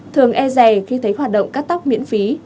thường e dày khi thấy hoạt động cắt tóc miễn phí